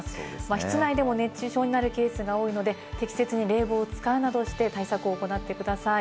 室内でも熱中症になるケースが多いので、適切に冷房を使うなどして対策を行ってください。